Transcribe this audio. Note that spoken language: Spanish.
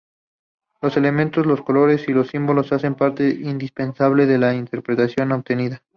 Los elementos, los colores y los símbolos, hacen parte indispensable de la interpretación obtenida.